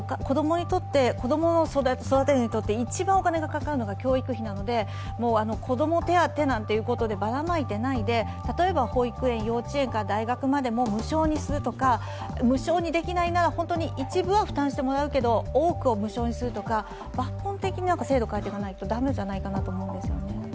子供を育てるにとって一番お金がかかるのが教育費なので、子ども手当なんてことでばらまいてないで例えば保育園、幼稚園、大学までも無償にするとか無償にできないなら本当に一部は負担してもらうけれども、多くを無償にするとか、抜本的に制度を変えていかないと駄目じゃないかなと思うんですよね。